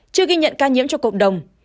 chưa ghi nhận ca nhiễm cho cộng đồng